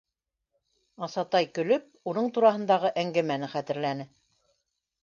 Асатай, көлөп, уның тураһындағы әңгәмәне хәтерләне.